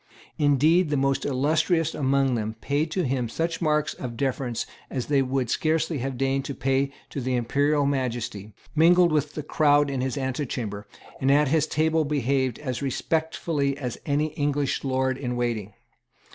Indeed the most illustrious among them paid to him such marks of deference as they would scarcely have deigned to pay to the Imperial Majesty, mingled with the crowd in his antechamber, and at his table behaved as respectfully as any English lord in waiting.